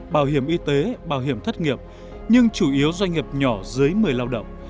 bảo hiểm y tế bảo hiểm thất nghiệp nhưng chủ yếu doanh nghiệp nhỏ dưới một mươi lao động